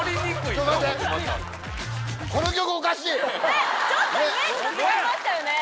ねっちょっとイメージと違いましたよね。